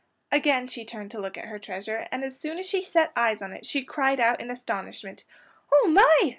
Again she turned to look at her treasure, and as soon as she set eyes on it she cried out in astonishment. "Oh, my!"